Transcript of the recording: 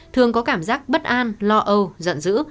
thường có cảm giác bất an lo âu giận dữ